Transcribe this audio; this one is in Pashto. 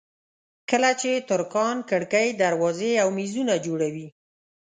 کله چې ترکاڼ کړکۍ دروازې او مېزونه جوړوي.